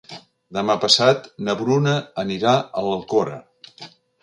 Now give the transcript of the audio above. Demà passat na Bruna anirà a l'Alcora.